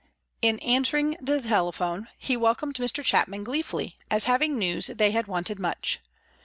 In answering the telephone, he welcomed Mr. Chapman gleefully, as having news they had wanted much.